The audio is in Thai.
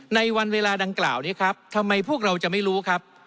ในวันเวลาดังกล่าวนี้ครับทำไมพวกเราจะไม่รู้ครับ